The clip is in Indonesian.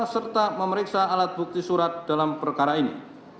serta memeriksa alat bukti surat dalam perkara ini